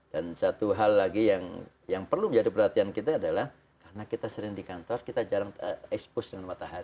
dan satu hal lagi yang perlu menjadi perhatian kita adalah karena kita sering di kantor kita jarang ter expose dengan matahari